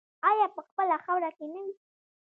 آیا په خپله خاوره کې نه وي؟